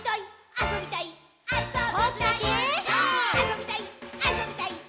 あそびたいっ！！」